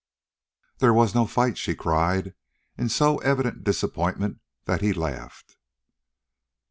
"There was no fight?" she cried, in so evident disappointment that he laughed.